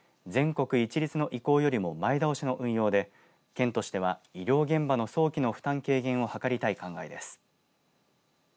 全国一律の移行よりも前倒しの対応で県としては医療現場の早期の負担軽減を図りたい考えです。